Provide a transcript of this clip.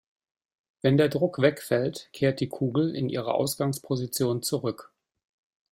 Wenn der Druck wegfällt, kehrt die Kugel in ihre Ausgangsposition zurück.